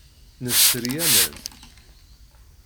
Nesri aman.